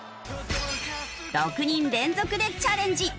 ６人連続でチャレンジ。